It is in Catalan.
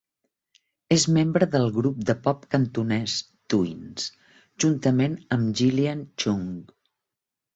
És membre del grup de pop cantonès Twins, juntament amb Gillian Chung.